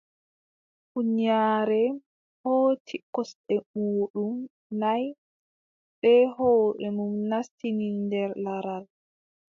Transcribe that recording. Huunyaare hooci kosɗe muuɗum nay, bee hoore mum naastini nder laral.